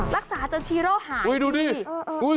รักษาจนชีโร่หาย